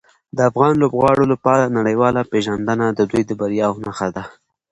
د افغان لوبغاړو لپاره نړیواله پیژندنه د دوی د بریاوو نښه ده.